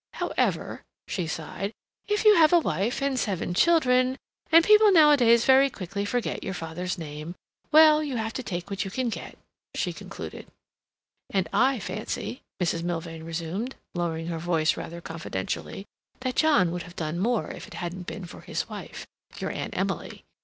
However," she sighed, "if you have a wife and seven children, and people nowadays very quickly forget your father's name—well, you have to take what you can get," she concluded. "And I fancy," Mrs. Milvain resumed, lowering her voice rather confidentially, "that John would have done more if it hadn't been for his wife, your Aunt Emily.